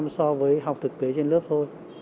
so với học thực tế trên lớp thôi